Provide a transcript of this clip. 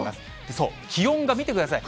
そう、気温が見てください。